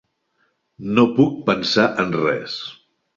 No puc pensar en res.